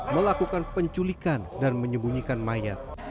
melakukan penculikan dan menyembunyikan mayat